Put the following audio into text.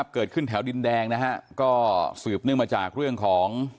เกิดขึ้นแถวดินแดงนะฮะก็สืบเนื่องมาจากเรื่องของ